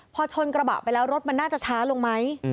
พอชนกระบะไปแล้วรถมันน่าจะช้าลงไหม